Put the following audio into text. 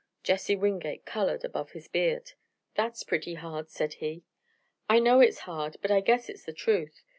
Jesse Wingate colored above his beard. "That's pretty hard," said he. "I know it's hard, but I guess it's the truth.